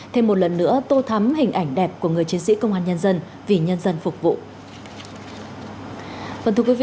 thêm một lần nữa tô thắm hình ảnh đẹp của người chiến sĩ công an nhân dân vì nhân dân phục vụ